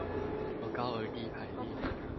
由高而低排列